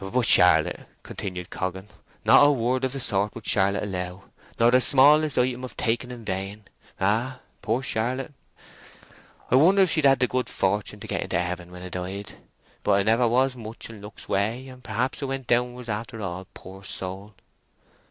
"But Charlotte," continued Coggan—"not a word of the sort would Charlotte allow, nor the smallest item of taking in vain.... Ay, poor Charlotte, I wonder if she had the good fortune to get into Heaven when 'a died! But 'a was never much in luck's way, and perhaps 'a went downwards after all, poor soul."